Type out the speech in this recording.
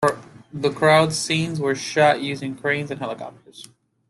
The crowd scenes were shot using cranes and helicopters.